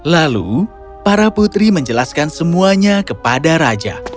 lalu para putri menjelaskan semuanya kepada raja